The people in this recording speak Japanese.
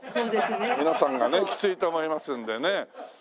皆さんがねきついと思いますんでね。